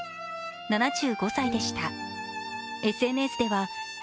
７５歳でした。